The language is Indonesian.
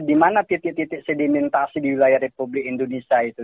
dimana titik titik sedimentasi di wilayah republik indonesia itu